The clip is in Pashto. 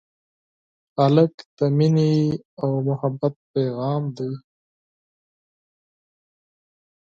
هلک د مینې او محبت پېغام دی.